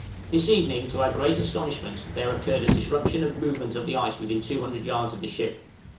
This evening, to our great astonishment, there occurred a disruption and movement of the ice within 200 yards of the ship.